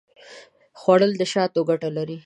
خوړل د شاتو ګټه لري